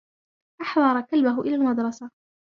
أحضر كلبه إلى المدرسة.